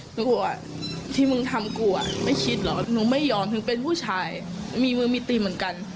หนูกลัวที่มึงทำกูอ่ะไม่คิดเหรอหนูไม่ยอมถึงเป็นผู้ชายมีมือมีตีเหมือนกัน